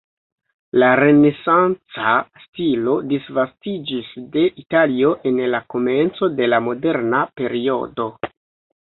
La renesanca stilo disvastiĝis de Italio en la komenco de la moderna periodo.